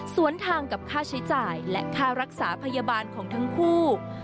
สวนทางกับค่าใช้จ่ายและค่ารักษาพยาบาลของทั้งคู่